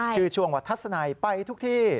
ชื่อช่วงว่าทัศนัยไปทุกที่